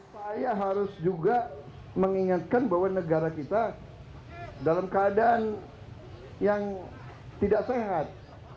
saya harus juga mengingatkan bahwa negara kita dalam keadaan yang tidak sehat